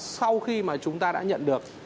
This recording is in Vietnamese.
sau khi mà chúng ta đã nhận được